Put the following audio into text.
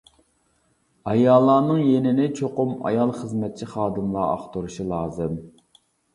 ئاياللارنىڭ يېنىنى چوقۇم ئايال خىزمەتچى خادىملار ئاختۇرۇشى لازىم.